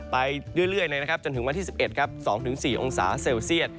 ไปเรื่อยนะครับจนถึงวันที่๑๑ครับ๒๔องศาเซลเซียต